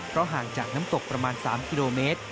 เพราะห่างจากน้ำตกประมาณ๓กิโลเมตร